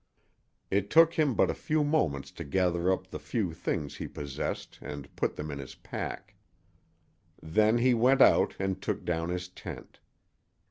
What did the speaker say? It took him but a few moments to gather up the few things he possessed and put them in his pack. Then he went out and took down his tent.